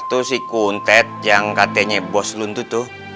tuh si kuntet yang katanya bos lo tuh tuh